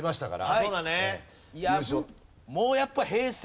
そうだね。